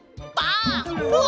うわ！